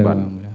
iya yang mulia